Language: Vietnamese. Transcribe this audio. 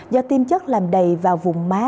do tiêm chất làm đầy vào vùng má